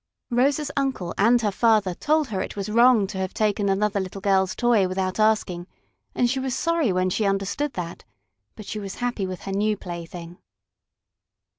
Rosa's uncle and her father told her it was wrong to have taken another little girl's toy without asking, and she was sorry when she understood that, but she was happy with her new plaything.